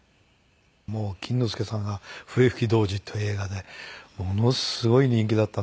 もう錦之介さんが『笛吹童子』という映画でものすごい人気だったんですよね。